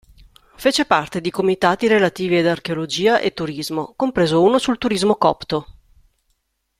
Fece parte di comitati relativi ad archeologia e turismo, compreso uno sul turismo copto.